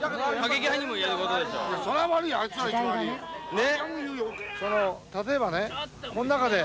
ねっ！